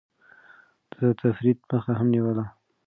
ده د تفريط مخه هم نيوله.